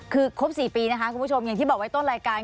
คือครบ๔ปีนะคะคุณผู้ชมอย่างที่บอกไว้ต้นรายการ